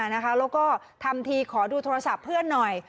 แล้วก็ทำทีขอดูโทรศัพท์เพื่อนหน่อย